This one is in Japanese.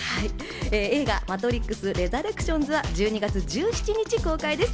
映画『マトリックスレザレクションズ』は１２月１７日公開です。